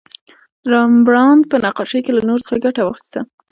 رامبراند په نقاشۍ کې له نور څخه ګټه واخیسته.